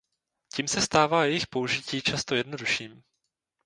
Tím se stává jejich použití často jednodušším.